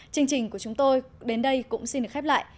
chương trình của chúng tôi đến đây cũng xin được khép lại